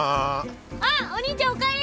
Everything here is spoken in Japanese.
あっお兄ちゃんお帰り。